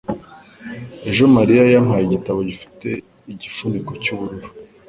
Ejo, Mariya yampaye igitabo gifite igifuniko cy'ubururu.